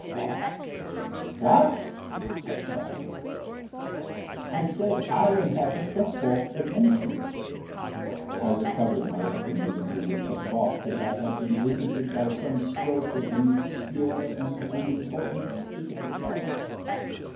"What what!" I cried. "I said I inhabit the Fourth Dimension." I recovered my equanimity with the thought that I had been visited by some stroke of an obscure and unimportant physical kind.